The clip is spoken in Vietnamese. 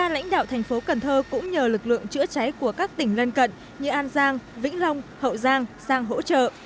ngoài ra lãnh đạo thành phố cần thơ cũng nhờ lực lượng chữa cháy của các tỉnh gần cận như an giang vĩnh long hậu giang sang hỗ trợ